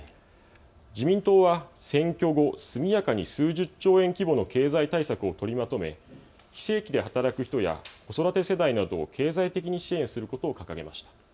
自民党は選挙後、速やかに数十兆円規模の経済対策を取りまとめ非正規で働く人や子育て世帯など経済的に支援することを掲げました。